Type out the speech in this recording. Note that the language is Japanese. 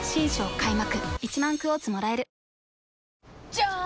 じゃーん！